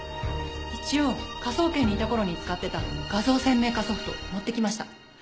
一応科捜研にいた頃に使ってた画像鮮明化ソフトを持ってきました。